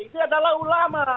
itu adalah ulama